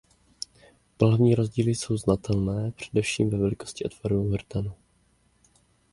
Pohlavní rozdíly jsou znatelné především ve velikosti a tvaru hrtanu.